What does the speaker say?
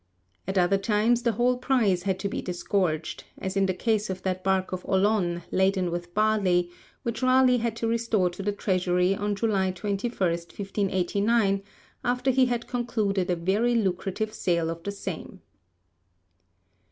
At other times the whole prize had to be disgorged; as in the case of that bark of Olonne, laden with barley, which Raleigh had to restore to the Treasury on July 21, 1589, after he had concluded a very lucrative sale of the same.